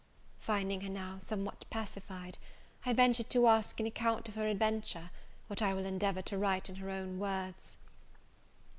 Finding her now somewhat pacified, I ventured to ask an account of her adventure, which I will endeavour to write in her own words.